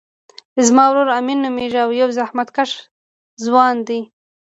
زما ورور امین نومیږی او یو زحمت کښه ځوان دی